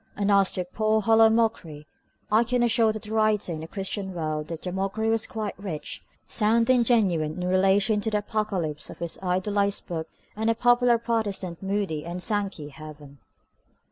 And as to the "poor hollow mockery," I can assure the writer in the Christian World that the mockery was quite rich, sound and genuine in relation to the Apocalypse of his idolised book and the popular Protestant Moody and Sankey heaven.